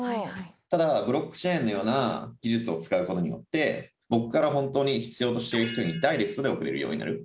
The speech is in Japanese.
ただブロックチェーンのような技術を使うことによって僕から本当に必要としている人にダイレクトで送れるようになる。